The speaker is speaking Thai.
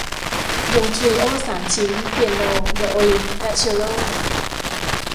วงทรีโอสามชิ้น เปียโน ไวโอลิน และเชลโล